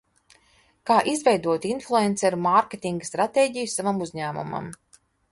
Kā izveidot influenceru mārketinga stratēģiju savam uzņēmumam?